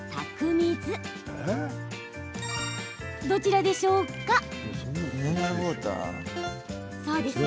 どちらでしょうか？